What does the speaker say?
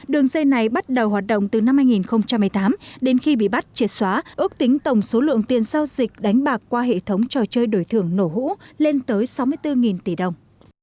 đường dây này bắt đầu hoạt động từ năm hai nghìn một mươi tám đến khi bị bắt triệt xóa ước tính tổng số lượng tiền giao dịch đánh bạc qua hệ thống trò chơi đổi thưởng nổ hũ lên tới sáu mươi bốn tỷ đồng